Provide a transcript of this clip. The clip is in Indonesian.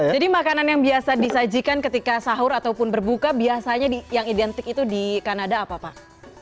jadi makanan yang biasa disajikan ketika sahur ataupun berbuka biasanya yang identik itu di kanada apa pak